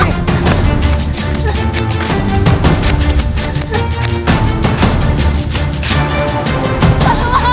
sebenarnya minta tolong